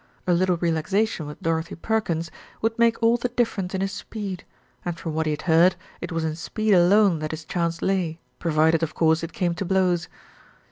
A little relaxation with Dorothy Perkins would make all the difference in his speed, and from what he had heard, it was in speed alone that his chance lay, provided, of course, it came to blows.